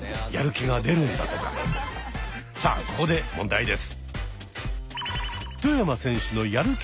さあここで問題です。